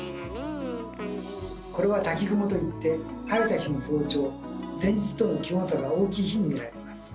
これは「滝雲」といって晴れた日の早朝前日との気温差が大きい日に見られます。